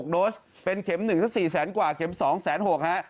๕๗๓๔๔๖โดสเป็นเข็มหนึ่งซะสี่แสนกว่าเข็มสองแสนหกนะฮะ